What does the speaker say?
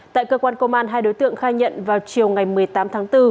tại cơ quan công an hai đối tượng khai nhận vào chiều ngày một mươi tám tháng bốn